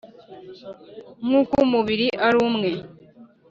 Nk'uko umubiri ari umwe,